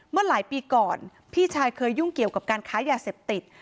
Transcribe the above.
เมื่อหลายปีก่อนพี่ชายเคยยุ่งเกี่ยวกับการค้ายาเสพติด